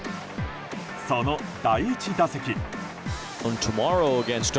その第１打席。